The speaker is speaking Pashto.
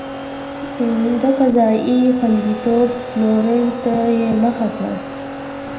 د قضایي خوندیتوب پلور ته یې مخه کړه.